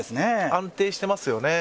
安定していますよね。